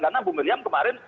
karena bu miriam kemarin